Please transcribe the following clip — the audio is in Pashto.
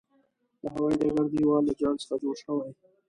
د هوايې ډګر دېوال له جال څخه جوړ شوی.